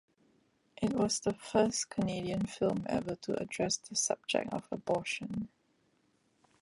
It was the first Canadian film ever to address the subject of abortion.